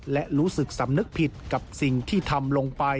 และรู้สึกสำนึกผิดกับสิ่งที่ทำลงไป